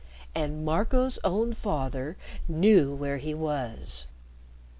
And Marco's own father knew where he was!